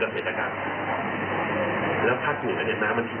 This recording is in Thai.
แล้วเรารอทำอย่างไรให้เก็บน้ำผมรู้ว่ามีวิธีหลายวิธี